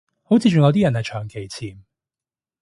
好似仲有啲人係長期潛